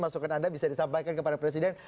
masukan anda bisa disampaikan kepada presiden